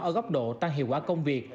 ở góc độ tăng hiệu quả công việc